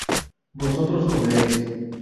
vosotros comeréis